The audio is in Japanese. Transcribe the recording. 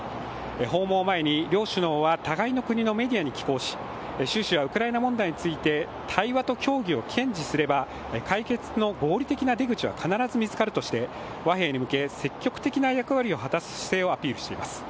訪問を前に両首脳は互いの国のメディアに寄稿し習氏は、ウクライナ問題について対話と協議を堅持すれば解決の合理的な出口は必ず見つかるとして和平に向け積極的な役割を果たす姿勢をアピールしています。